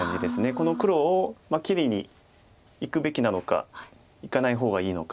この黒を切りにいくべきなのかいかない方がいいのか。